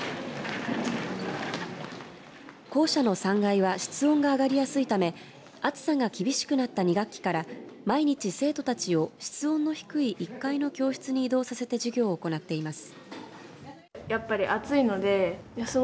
校舎の３階は室温が上がりやすいため暑さが厳しくなった２学期から毎日、生徒たちを室温の低い１階の教室に移動させて授業を行っています。